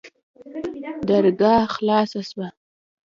درګاه خلاصه سوه.